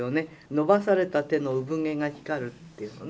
「伸ばされた手の産毛がひかる」っていうのね。